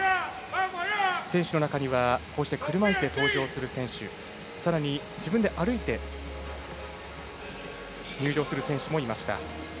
選手の中には車いすで登場する選手さらに、自分で歩いて入場する選手もいました。